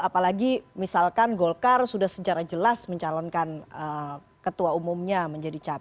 apalagi misalkan golkar sudah secara jelas mencalonkan ketua umumnya menjadi capres